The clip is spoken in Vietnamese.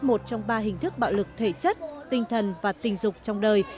một trong ba hình thức bạo lực thể chất tinh thần và tình dục trong đời